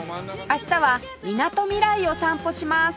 明日はみなとみらいを散歩します